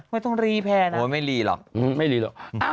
ไม่ต้องรีแพร่นะ